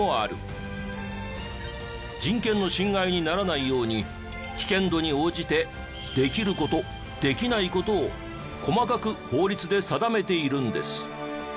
人権の侵害にならないように危険度に応じてできる事できない事を細かく法律で定めているんです。